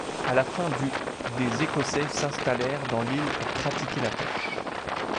À la fin du des Écossais s'installèrent dans l'île pour pratiquer la pêche.